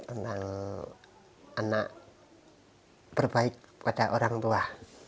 tentang anak berbaik pada orang tua